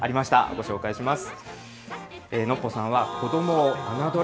ご紹介します。